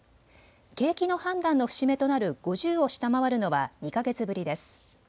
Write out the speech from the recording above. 景気の判断の節目となる５０を下回るのは２か月ぶりです。